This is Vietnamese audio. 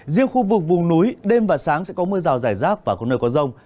riêng khu vực vùng núi đêm và sáng sẽ có mưa rào rải rác và có nơi có rông